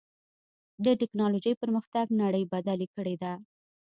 د ټکنالوجۍ پرمختګ نړۍ بدلې کړې ده.